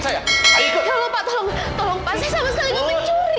tolong pak tolong saya sama sekali nggak mau mencuri